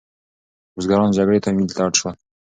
بزګران جګړې تمویل ته اړ شول.